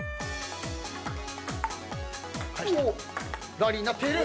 ラリーになっている。